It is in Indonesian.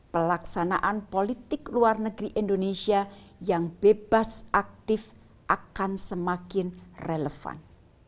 pelaksanaan politik luar negeri indonesia yang bebas aktif akan semakin relevan